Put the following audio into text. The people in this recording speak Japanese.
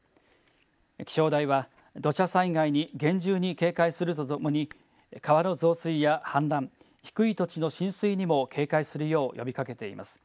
気象台は土砂災害に厳重に警戒するとともに川の増水や氾濫低い土地の浸水にも警戒するよう呼びかけています。